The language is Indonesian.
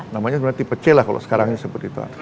namanya sebenarnya tipe c lah kalau sekarangnya seperti itu